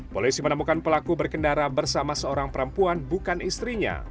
polisi menemukan pelaku berkendara bersama seorang perempuan bukan istrinya